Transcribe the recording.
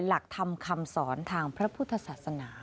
หลักธรรมคำสอนทางพระพุทธศาสนา